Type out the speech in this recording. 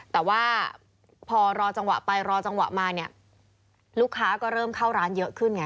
แต่ว่าพอรอจังหวะไปรอจังหวะมาเนี่ยลูกค้าก็เริ่มเข้าร้านเยอะขึ้นไง